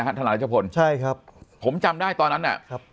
นะครับชาวลายเจ้าคนช่วยครับผมจำได้ตอนนั้นแหละครับ